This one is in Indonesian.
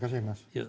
terima kasih mas